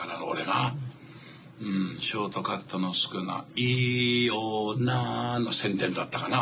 ショートカットの好きなイオナの宣伝だったかな。